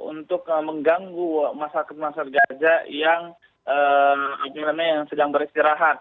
untuk mengganggu masyarakat masyarakat gaza yang sedang beristirahat